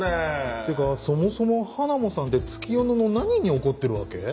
ってかそもそもハナモさんって月夜野の何に怒ってるわけ？